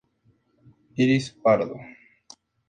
Iris pardo.